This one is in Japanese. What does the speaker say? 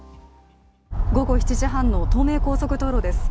午後７時半の東名高速道路です。